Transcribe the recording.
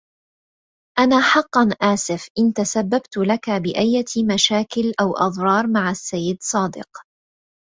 أنا حقّا آسف إن تسبّبت لك بأية مشاكل أو أضرار مع السيد صادق.